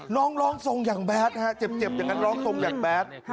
ร้องร้องทรงอย่างแบดฮะเจ็บอย่างนั้นร้องทรงอย่างแบด